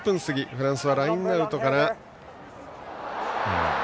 フランスはラインアウトから。